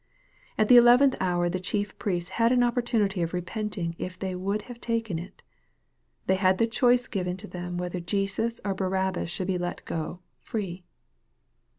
At the eleventh hour the chief priests had an opportunity of repenting if they would have taken it. They had the choice given them whether Jesus or Barabbas should be let go free.